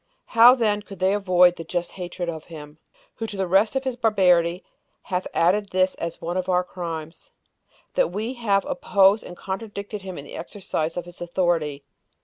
How then could they avoid the just hatred of him, who, to the rest of his barbarity, hath added this as one of our crimes, that we have opposed and contradicted him in the exercise of his authority?